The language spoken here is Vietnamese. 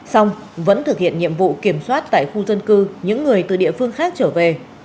xong vẫn thực hiện nhiệm vụ kiểm soát tại khu dân cư những người từ địa phương khác trở về